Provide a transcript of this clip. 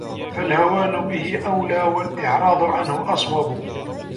فَالْهَوَانُ بِهِ أَوْلَى وَالْإِعْرَاضُ عَنْهُ أَصْوَبُ